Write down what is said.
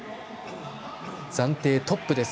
暫定トップです。